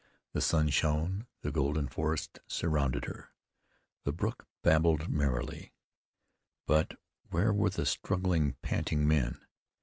The sun shone; the golden forest surrounded her; the brook babbled merrily; but where were the struggling, panting men?